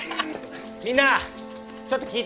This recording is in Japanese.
みんなちょっと聞いて。